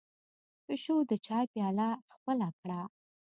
پيشو د چای پياله خپله کړه.